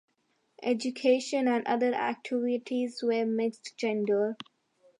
Education and other activities were mixed gender.